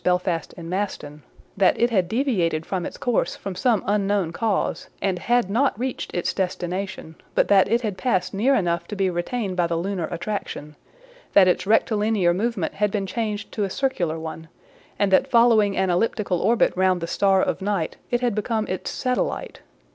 Belfast and Maston—that it had deviated from its course from some unknown cause, and had not reached its destination; but that it had passed near enough to be retained by the lunar attraction; that its rectilinear movement had been changed to a circular one, and that following an elliptical orbit round the star of night it had become its satellite.